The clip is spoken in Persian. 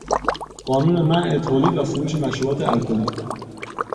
قانون منع تولید و فروش مشروبات الکلی